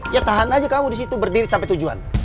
ya tahan aja kamu disitu berdiri sampai tujuan